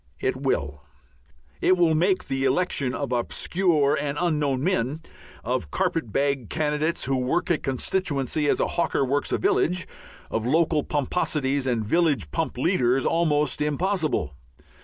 It will. It will make the election of obscure and unknown men, of carpet bag candidates who work a constituency as a hawker works a village, of local pomposities and village pump "leaders" almost impossible.